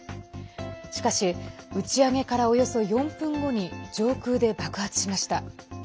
しかし、打ち上げからおよそ４分後に上空で爆発しました。